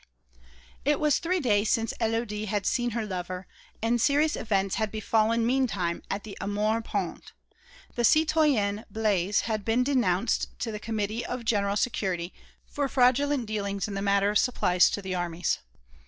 It was three days since Élodie had seen her lover, and serious events had befallen meantime at the Amour peintre. The citoyen Blaise had been denounced to the Committee of General Security for fraudulent dealings in the matter of supplies to the armies.